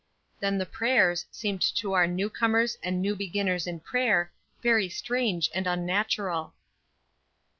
Then the prayers seemed to our new comers and new beginners in prayer very strange and unnatural.